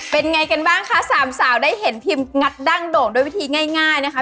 เป็นไงกันบ้างคะสามสาวได้เห็นพิมพ์งัดดั้งโด่งด้วยวิธีง่ายนะคะ